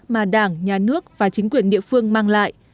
mà đảng nhà nước và chính phủ đã tặng